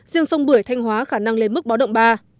riêng sông bưởi thanh hóa khả năng lên mức báo động ba